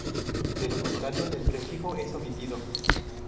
De lo contrario, el prefijo es omitido.